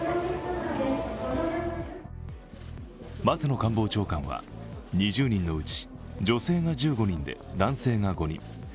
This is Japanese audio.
松野官房長官は２０人のうち、女性が１５人で男性が５人。